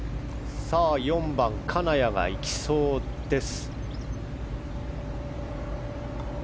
４番金谷がいきそうです。